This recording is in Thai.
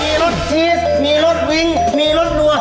มีรถขี้มีมีรถวิ้งมีรถดัว